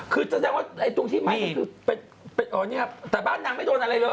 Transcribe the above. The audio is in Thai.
คือจะแสดงว่าตรงที่ไม่แต่บ้านนางไม่โดดอะไรเลย